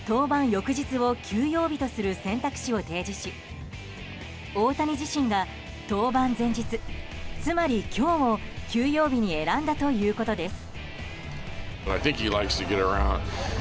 翌日を休養日とする選択肢を提示し大谷自身が登板前日つまり今日を休養日に選んだということです。